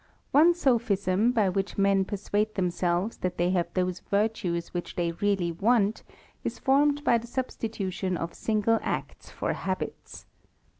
'^ne sophism by which men persuade themselves that they have those virtues which they really want, is formed by (he substitution of single acts for habits.